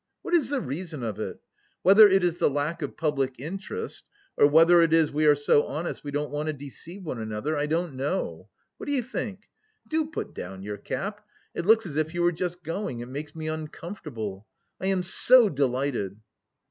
What is the reason of it? Whether it is the lack of public interest, or whether it is we are so honest we don't want to deceive one another, I don't know. What do you think? Do put down your cap, it looks as if you were just going, it makes me uncomfortable... I am so delighted..."